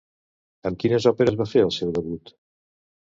Amb quines òperes va fer el seu debut?